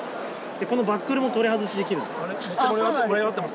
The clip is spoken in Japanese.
このバックルも取り外しできるんです。